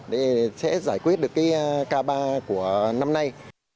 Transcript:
để sẽ giải quyết được cái ca ba của năm nay